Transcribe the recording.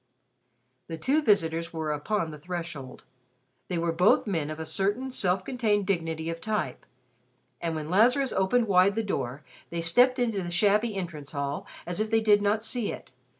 The two visitors were upon the threshold. They were both men of a certain self contained dignity of type; and when Lazarus opened wide the door, they stepped into the shabby entrance hall as if they did not see it.